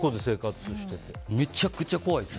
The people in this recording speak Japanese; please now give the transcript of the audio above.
めちゃくちゃ怖いです。